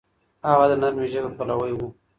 هغه د نرمې ژبې پلوی و.